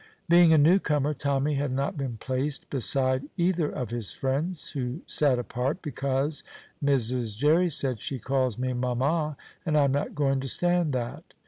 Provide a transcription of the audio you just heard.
Being a newcomer, Tommy had not been placed beside either of his friends, who sat apart "because," Mrs. Jerry said, "she calls me mamma, and I am not going to stand that."